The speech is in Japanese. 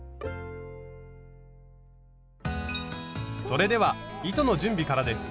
それでは糸の準備からです。